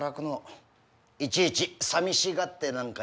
いちいちさみしがってなんかいられないよ。